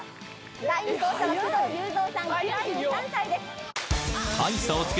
第２走者の工藤勇蔵さん９３歳です。